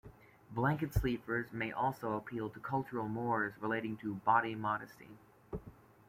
Blanket sleepers may also appeal to cultural mores relating to body modesty.